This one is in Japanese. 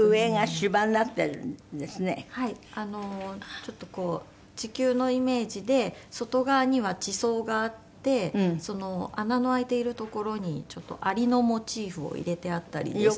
ちょっとこう地球のイメージで外側には地層があってその穴の開いている所にちょっとアリのモチーフを入れてあったりですとか。